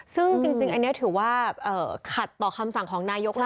ซึ่งจริงอันนี้ถือว่าขัดต่อคำสั่งของนายกมาก